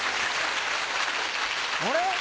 あれ？